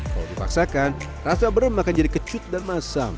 kalau dipaksakan rasa beram akan jadi kecut dan masam